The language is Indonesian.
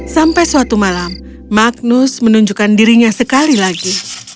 sampai suatu malam magnus menunjukkan dirinya sekali lagi